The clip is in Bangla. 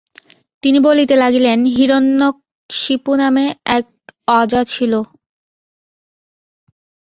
তিনি বলিতে লাগিলেন, হিরণ্যকশিপু নামে এক আজা ছিল।